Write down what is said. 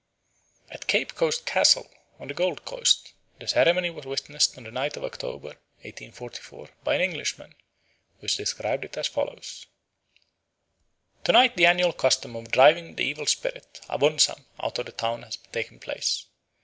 At Cape Coast Castle, on the Gold Coast, the ceremony was witnessed on the ninth of October, 1844, by an Englishman, who has described it as follows: "To night the annual custom of driving the evil spirit, Abonsam, out of the town has taken place.